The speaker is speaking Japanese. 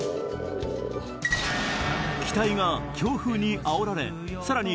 機体が強風にあおられさらに